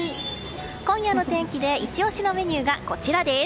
今夜の天気でイチ押しのメニューがこちらです。